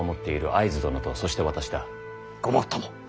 ごもっとも。